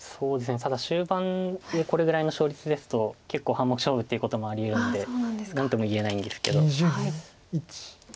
ただ終盤でこれぐらいの勝率ですと結構半目勝負ってこともありえるので何とも言えないんですけど。